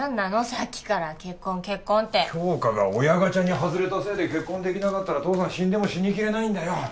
さっきから結婚結婚って杏花が親ガチャにはずれたせいで結婚できなかったら父さん死んでも死にきれないんだよ